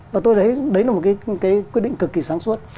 và tôi thấy đấy là một cái quyết định cực kỳ sáng suốt